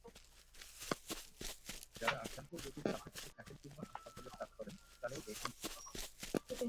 যাঁরা আক্রান্ত রোগীর কাছাকাছি থাকেন কিংবা হাসপাতালে কাজ করেন, তাঁরাও রয়েছেন ঝুঁকিতে।